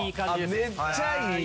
あっめっちゃいい！